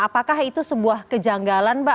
apakah itu sebuah kejanggalan pak